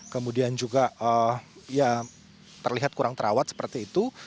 kemudian juga ya terlihat kurang terawat seperti itu